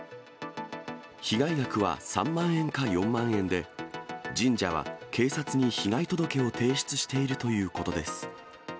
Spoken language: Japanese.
被害額は３万円か４万円で、神社は警察に被害届を提出しているということです。